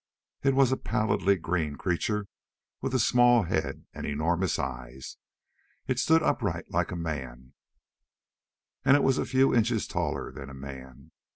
It was a pallidly greenish creature with a small head and enormous eyes. It stood upright, like a man, and it was a few inches taller than a man.